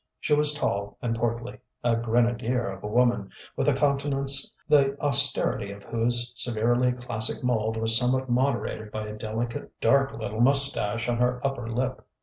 She was tall and portly, a grenadier of a woman, with a countenance the austerity of whose severely classic mould was somewhat moderated by a delicate, dark little moustache on her upper lip.